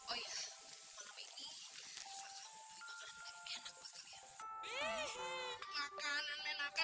oh iya malam ini kakak membeli makanan enak banget ya